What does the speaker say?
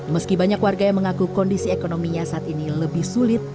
meski banyak warga yang mengaku kondisi ekonominya saat ini lebih sulit